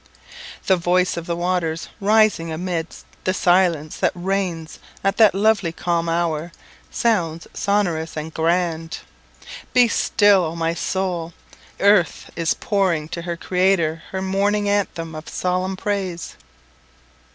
The voice of the waters rising amidst the silence that reigns at that lovely calm hour, sounds sonorous and grand. Be still, O my soul! earth is pouring to her Creator her morning anthem of solemn praise!